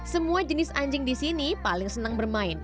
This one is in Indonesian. semua jenis anjing di sini paling senang bermain